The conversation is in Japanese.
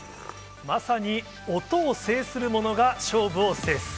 まさに音を制する者が、勝負を制す。